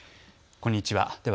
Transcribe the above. こんにちは。